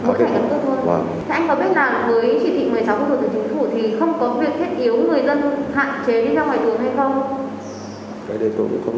thế anh có biết là với chỉ thị một mươi sáu quốc hội của chính phủ thì không có việc thiết yếu người dân hạn chế đi ra ngoài tường hay không